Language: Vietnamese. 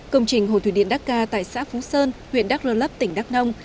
công trình hồ thủy điện đắc ca tại xã phú sơn huyện đắc rơn lấp tỉnh đắc nông